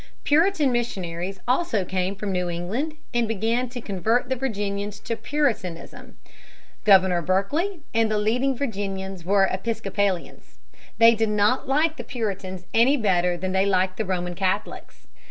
Puritan missionaries also came from New England and began to convert the Virginians to Puritanism. Governor Berkeley and the leading Virginians were Episcopalians. They did not like the Puritans any better than they liked the Roman Catholics.